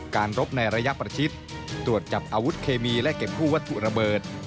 รบในระยะประชิดตรวจจับอาวุธเคมีและเก็บกู้วัตถุระเบิด